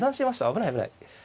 危ない危ない。